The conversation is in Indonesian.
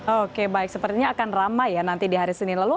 oke baik sepertinya akan ramai ya nanti di hari senin lalu